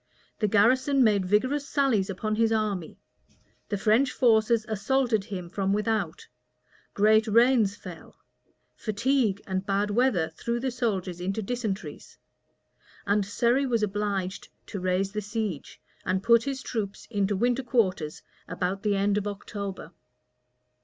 The garrison made vigorous sallies upon his army: the French forces assaulted him from without: great rains fell: fatigue and bad weather threw the soldiers into dysenteries: and Surrey was obliged to raise the siege, and put his troops into winter quarters about the end of October.